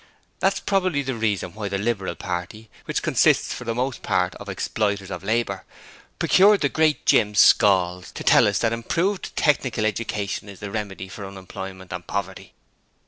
That is probably the reason why the Liberal Party which consists for the most part of exploiters of labour procured the great Jim Scalds to tell us that improved technical education is the remedy for unemployment and poverty.'